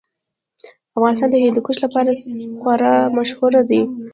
افغانستان د هندوکش لپاره خورا مشهور دی.